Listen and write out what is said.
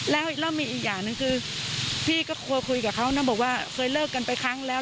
แล้วมีอีกอย่างหนึ่งคือพี่ก็คุยกับเขานะบอกว่าเคยเลิกกันไปครั้งแล้ว